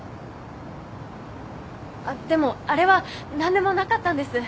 あっでもあれは何でもなかったんです。